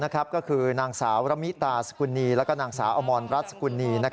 ก็คือนางสาวรมิตาสกุลนีแล้วก็นางสาวอมรรดรัฐสกุลนี